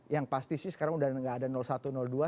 yang pasti sih sekarang sudah tidak ada satu dua